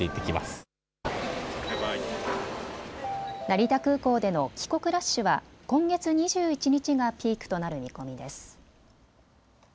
成田空港での帰国ラッシュは今月２１日がピークとなる見込みです。